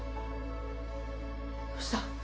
どうした？